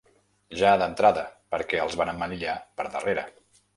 Ja d’entrada, perquè els van emmanillar per darrere.